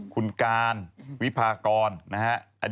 คุณการวิพากรนะครับ